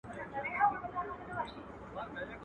o توزنه هيله د خداى د کرمه وتلې ده.